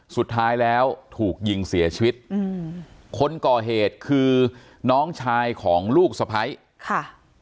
สุดท้ายแล้วถูกยิงเสียชีวิตอืมคนก่อเหตุคือน้องชายของลูกสะพ้ายค่ะ